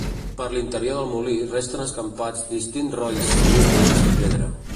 Per l'interior del molí resten escampats distints rolls cilíndrics de pedra.